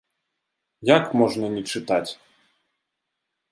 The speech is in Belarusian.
Як можна не чытаць?